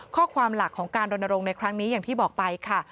ข้อความหลักของการรณรงค์ในครั้งนี้อย่างที่บอกไปค่ะ